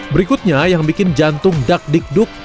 berikutnya yang bikin jantung dakdikduk